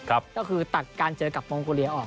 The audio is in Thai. ก็คือตัดการเจอกับมองโกเลียออก